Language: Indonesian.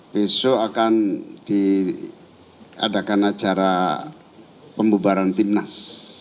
besok akan diadakan acara pembubaran timnas